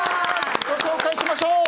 ご紹介しましょう。